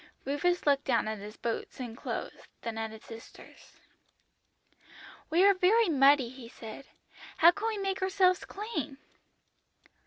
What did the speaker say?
"Rufus looked down at his boots and clothes, then at his sister's. "'We are very muddy,' he said; 'how can we make ourselves clean?'